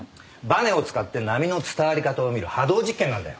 ばねを使って波の伝わり方を見る波動実験なんだよ。